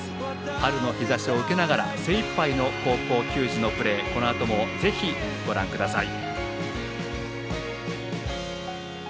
春の日ざしを受けながら精いっぱいの高校球児のプレーをこのあともぜひご覧ください。